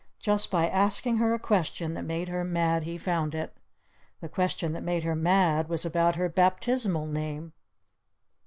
Just by asking her a question that made her mad he found it! The question that made her mad was about her Baptismal name.